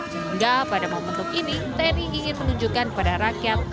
sehingga pada momentum ini tni ingin menunjukkan kepada rakyat